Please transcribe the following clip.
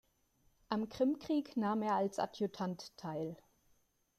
Am Krimkrieg nahm er als Adjutant teil.